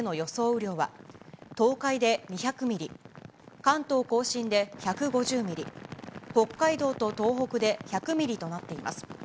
雨量は、東海で２００ミリ、関東甲信で１５０ミリ、北海道と東北で１００ミリとなっています。